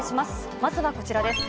まずはこちらです。